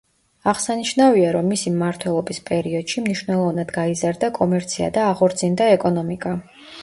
აღსანიშნავია, რომ მისი მმართველობის პერიოდში მნიშვნელოვნად გაიზარდა კომერცია და აღორძინდა ეკონომიკა.